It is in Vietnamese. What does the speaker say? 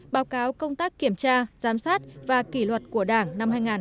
báo cáo công tác kiểm tra giám sát và kỷ luật của đảng năm hai nghìn một mươi tám